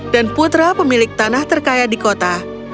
dan putra pemilik tanah terkaya di kota